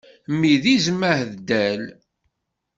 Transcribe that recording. Mmi d izem aheddal.